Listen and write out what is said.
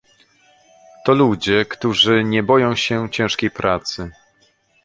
to ludzie, którzy nie boją się ciężkiej pracy